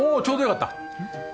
ちょうど良かった。